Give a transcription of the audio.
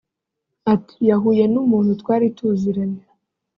Ati “ Yahuye n’umuntu twari tuziranye